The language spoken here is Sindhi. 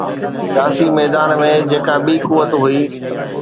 سياسي ميدان ۾ جيڪا ٻي قوت هئي.